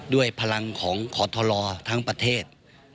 ด้วยพลังของขอทรทั้งประเทศ